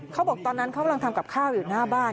เขาบอกตอนนั้นเขากำลังทำกับข้าวอยู่หน้าบ้าน